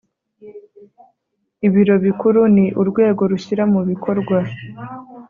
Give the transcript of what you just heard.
Ibiro Bikuru ni urwego rushyira mu bikorwa